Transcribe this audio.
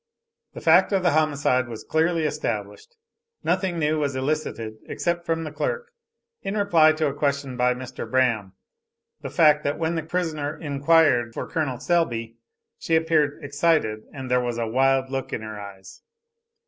The fact of the homicide was clearly established. Nothing new was elicited, except from the clerk, in reply to a question by Mr. Braham, the fact that when the prisoner enquired for Col. Selby she appeared excited and there was a wild look in her eyes.